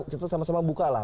kita sama sama buka lah